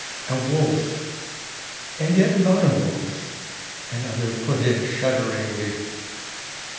"A wolf—and yet not a wolf!" another put in shudderingly.